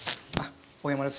大山です